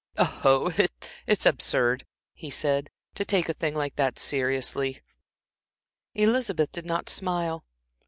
"Oh, it's absurd," he said, "to take a thing like that seriously." Elizabeth did not smile.